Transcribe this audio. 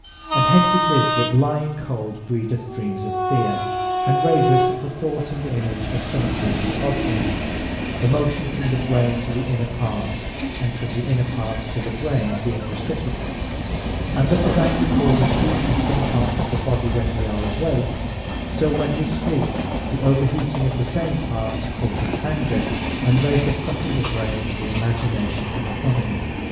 And hence it is, that lying cold breedeth Dreams of Feare, and raiseth the thought and Image of some fearfull object (the motion from the brain to the inner parts, and from the inner parts to the Brain being reciprocall:) and that as Anger causeth heat in some parts of the Body, when we are awake; so when we sleep, the over heating of the same parts causeth Anger, and raiseth up in the brain the Imagination of an Enemy.